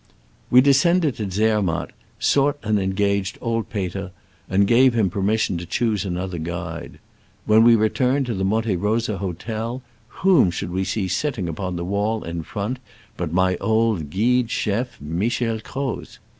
^ We descended to Zermatt, sought and engaged old Peter, 'and gave him per mission to choose another guide. When we returned to the Monte Rosa hotel, whom should we see sitting upon the wall in front but my old guide chef, Michel Croz !